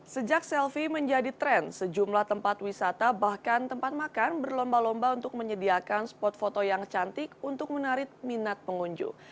sejak selfie menjadi tren sejumlah tempat wisata bahkan tempat makan berlomba lomba untuk menyediakan spot foto yang cantik untuk menarik minat pengunjung